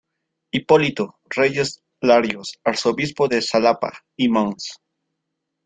Hipólito Reyes Larios, Arzobispo de Xalapa y Mons.